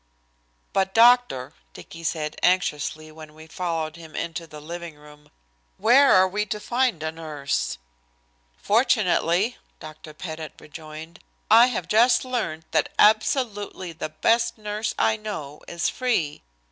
"But, doctor," Dicky said anxiously when we followed him into the living room, "where are we to find a nurse?" "Fortunately," Dr. Pettit rejoined, "I have just learned that absolutely the best nurse I know is free.